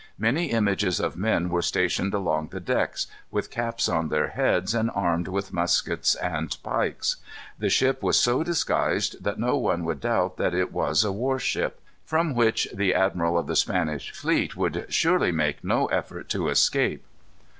Many images of men were stationed along the decks, with caps on their heads and armed with muskets and pikes. The ship was so disguised that no one would doubt that it was a war ship. From such the admiral of the Spanish fleet would surely make no effort to escape.